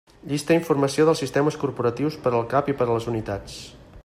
Llista informació dels sistemes corporatius per al cap i per a les unitats.